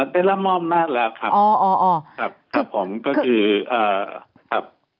ได้รับมอบอำนาจแล้วครับครับผมก็คือครับ